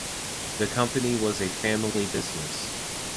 The company was a family business.